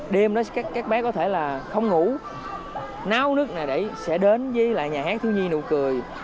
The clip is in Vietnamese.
đêm đó các bé có thể là không ngủ náo nứt này sẽ đến với nhà hát thiếu nhi nụ cười